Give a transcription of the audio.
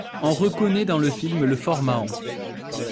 On reconnaît dans le film le fort Mahon.